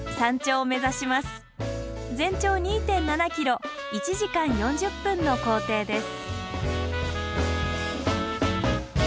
全長２．７ｋｍ１時間４０分の行程です。